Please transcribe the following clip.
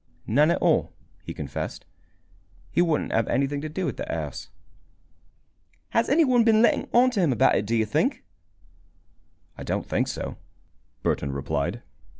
"None at all," he confessed. "He wouldn't have anything to do with the house." "Has any one been letting on to him about it, do you think?" "I don't think so," Burton replied.